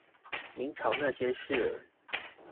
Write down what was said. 明朝那些事兒